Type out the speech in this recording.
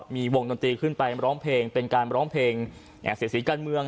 มีวงดนตรีขึ้นไปร้องเพลงเป็นการร้องเพลงเสียสีการเมือง